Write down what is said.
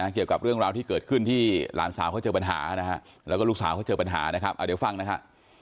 เกี่ยวกับเรื่องราวที่เกิดขึ้นที่หลานสาวเขาเจอปัญหานะฮะแล้วก็ลูกสาวเขาเจอปัญหานะครับเดี๋ยวฟังนะฮะ